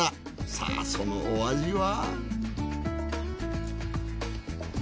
さあそのお味は？